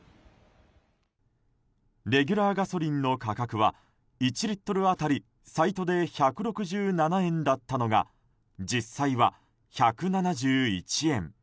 レギュラーガソリンの価格は１リットル当たりサイトで１６７円だったのが実際は１７１円。